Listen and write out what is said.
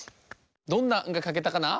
どんな「ん」がかけたかな？